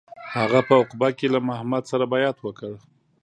هغه په عقبه کې له محمد سره بیعت وکړ.